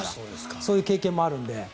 そういう経験もあるので。